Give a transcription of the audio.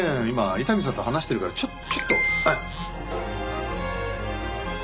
今伊丹さんと話してるからちょっと。